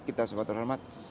kita semua terhormat